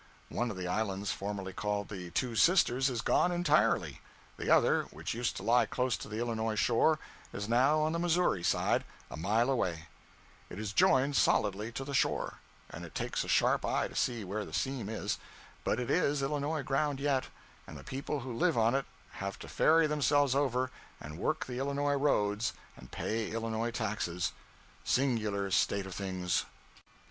One of the islands formerly called the Two Sisters is gone entirely; the other, which used to lie close to the Illinois shore, is now on the Missouri side, a mile away; it is joined solidly to the shore, and it takes a sharp eye to see where the seam is but it is Illinois ground yet, and the people who live on it have to ferry themselves over and work the Illinois roads and pay Illinois taxes: singular state of things!